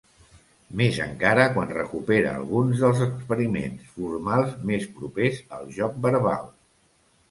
Més encara quan recupera alguns dels experiments formals més propers al joc verbal.